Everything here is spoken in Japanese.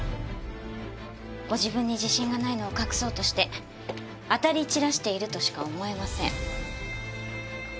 ご自分に自信がないのを隠そうとして当たり散らしているとしか思えません。